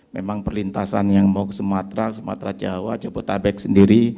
memang perlintasan yang mau ke sumatera sumatera jawa jabodetabek sendiri